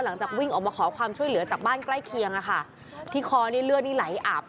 หลังจากวิ่งมาขอความช่วยเหลือจากบ้านใกล้เคียงอ่ะค่ะ